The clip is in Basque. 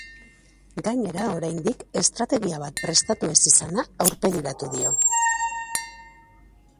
Gainera, oraindik estrategia bat prestatu ez izana aurpegiratu dio.